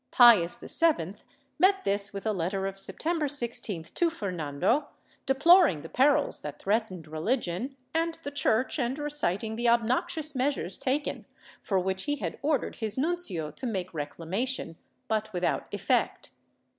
^ Pius VII met this with a letter of September 16th to Fernando, deploring the perils that threatened religion and the Church and reciting the obnoxious measures taken, for which he had ordered his nuncio to make reclamation, but without effect.